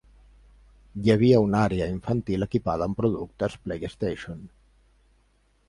Hi havia una àrea infantil equipada amb productes PlayStation.